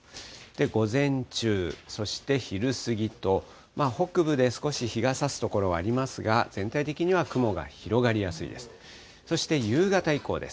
午前中、そして昼過ぎと、北部で少し日がさす所はありますが、全体的には雲が広がりやすいです。